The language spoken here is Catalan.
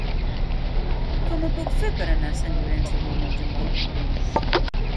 Com ho puc fer per anar a Sant Llorenç de Morunys amb autobús?